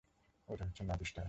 ওটা হচ্ছে north star!